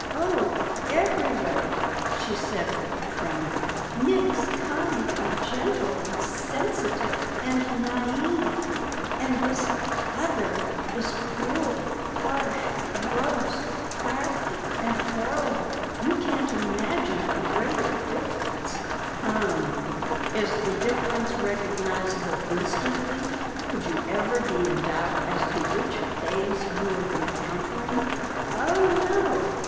"Oh, every way," she said with a tremor. "Nick's kind and gentle and sensitive and and naive, and this other is cruel, harsh, gross, crafty, and horrible. You can't imagine a greater difference." "Um. Is the difference recognizable instantly? Could you ever be in doubt as to which phase you were encountering?" "Oh, no!